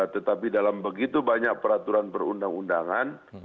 tetapi dalam begitu banyak peraturan perundang undangan